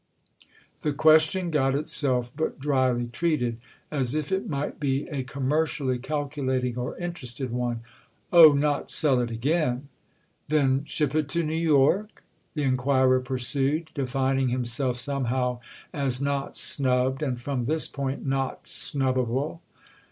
The question got itself but dryly treated, as if it might be a commercially calculating or interested one. "Oh, not sell it again." "Then ship it to New York?" the inquirer pursued, defining himself somehow as not snubbed and, from this point, not snubbable.